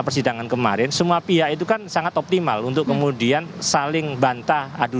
persidangan kemarin semua pihak itu kan sangat optimal untuk kemudian saling bantah adu